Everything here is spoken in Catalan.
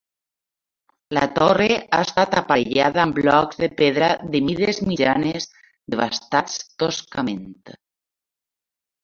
La torre ha estat aparellada amb blocs de pedra de mides mitjanes desbastats toscament.